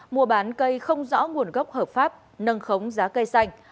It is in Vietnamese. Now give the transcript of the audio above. mua bán cây không rõ nguồn gốc hợp pháp nâng khống giá cây xanh